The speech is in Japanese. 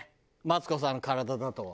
マツコさんの体だと。